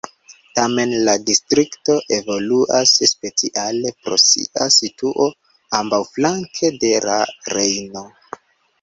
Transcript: Tamen la distrikto evoluas speciale pro sia situo ambaŭflanke de la Rejno.